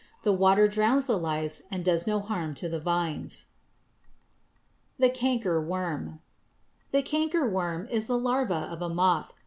The water drowns the lice and does no harm to the vines. =The Cankerworm.= The cankerworm is the larva of a moth.